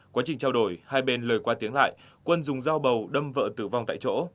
quá trình trao đổi hai bên lời qua tiếng lại quân dùng dao bầu đâm vợ tử vong tại chỗ